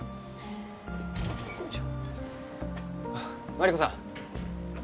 マリコさん。